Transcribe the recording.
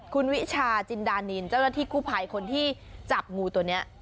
คุณวิชาจินดานินเจ้าหน้าที่กู้ภัยคนที่จับงูตัวนี้